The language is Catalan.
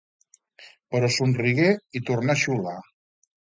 Però somrigué i tornà a xiular.